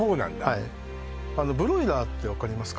はいブロイラーって分かりますか？